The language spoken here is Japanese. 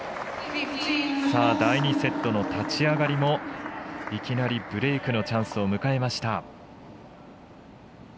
第２セットの立ち上がりもいきなりブレークのチャンスを迎えました。